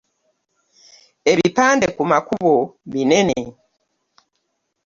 Ebipande ku makubo binene.